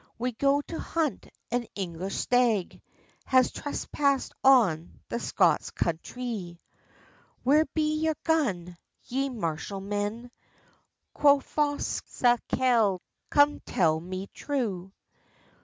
"We go to hunt an English stag, Has trespassed on the Scots countrie." "Where be ye gaun, ye marshal men?" Quo fause Sakelde; "come tell me true!"